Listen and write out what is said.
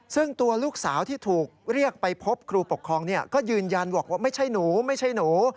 ซึ่งตัวลูกสาวที่ถูกเรียกไปพบครูปกครองก็ยืนยันบอกว่าไม่ใช่หนูไม่ใช่หนู